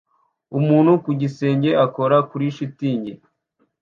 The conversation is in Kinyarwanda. Umuntu ku gisenge akora kuri shitingi